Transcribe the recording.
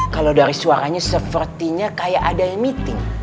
kalau dari suaranya sepertinya kayak ada yang meeting